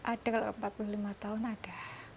ada kalau empat puluh lima tahun ada